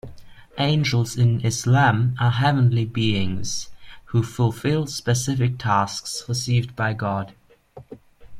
Angels in Islam are heavenly beings, who fulfill specific tasks received by God.